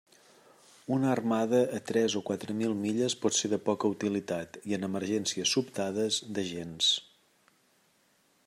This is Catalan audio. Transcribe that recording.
Una armada a tres o quatre mil milles pot ser de poca utilitat, i en emergències sobtades, de gens.